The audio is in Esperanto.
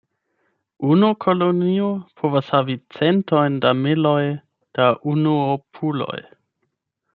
Unu kolonio povas havi centojn da miloj da unuopuloj.